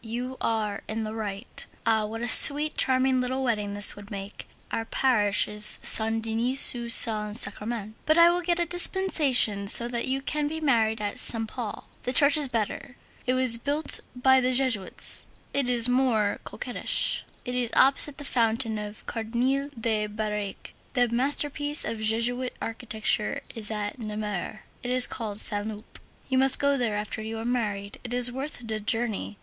You are in the right. Ah! what a sweet, charming little wedding this will make! Our parish is Saint Denis du Saint Sacrament, but I will get a dispensation so that you can be married at Saint Paul. The church is better. It was built by the Jesuits. It is more coquettish. It is opposite the fountain of Cardinal de Birague. The masterpiece of Jesuit architecture is at Namur. It is called Saint Loup. You must go there after you are married. It is worth the journey.